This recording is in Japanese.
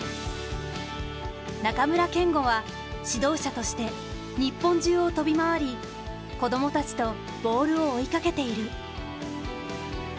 中村憲剛は指導者として日本中を飛び回り子供たちとボールを追いかけている。